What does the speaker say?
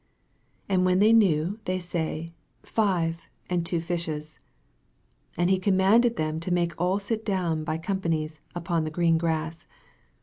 And when they knew, they say, Five, and two fishes. 39 And he commanded them to make all sit down by companies upon the green grass.